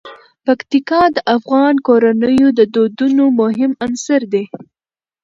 پکتیکا د افغان کورنیو د دودونو مهم عنصر دی.